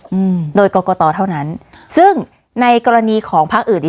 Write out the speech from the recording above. อืมโดยกรกตเท่านั้นซึ่งในกรณีของพักอื่นอีก